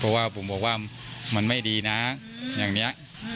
เพราะว่าผมบอกว่ามันไม่ดีนะอย่างนี้